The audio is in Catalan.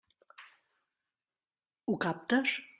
Ho captes?